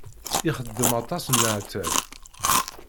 Ixeddem aṭas n leɛtab.